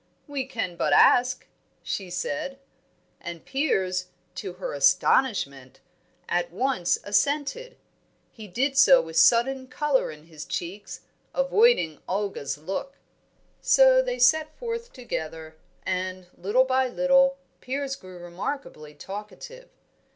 "We can but ask," she said. And Piers, to her astonishment, at once assented. He did so with sudden colour in his cheeks, avoiding Olga's look. So they set forth together; and, little by little, Piers grew remarkably talkative.